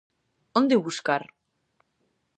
Onde buscar?